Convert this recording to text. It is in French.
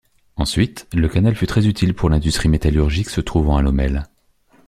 Ensuite, le canal fut très utile pour l’industrie métallurgique se trouvant à Lommel.